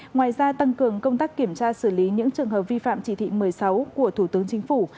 ngoài ra tăng cường công tác kiểm tra xử lý những trường hợp vi phạm chỉ thị một mươi sáu của thủ tướng chính phủ